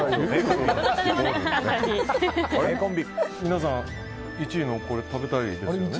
皆さん、１位のこれ食べたいですよね？